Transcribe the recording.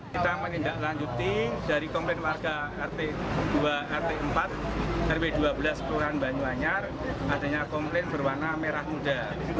kita menindaklanjuti dari komplain warga rt dua rt empat rw dua belas kelurahan banyuanyar adanya komplain berwarna merah muda